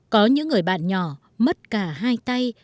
có những người bạn nhỏ mất cả hai tay